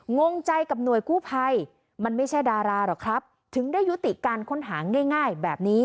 งงใจกับหน่วยกู้ภัยมันไม่ใช่ดาราหรอกครับถึงได้ยุติการค้นหาง่ายแบบนี้